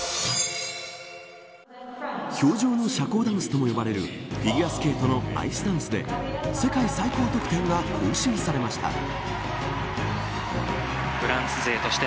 氷上の社交ダンスとも呼ばれるフィギュアスケートのアイスダンスで世界最高得点が更新されました。